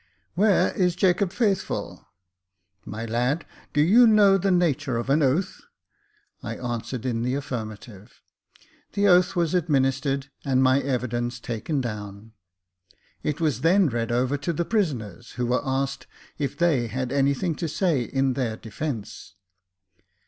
"Where is Jacob Faithful? My lad, do you know the nature of an oath ?" I answered in the affirmative ; the oath was administered, and my evidence taken down. It was then read over to the prisoners, who were asked if they had anything to say in their defence.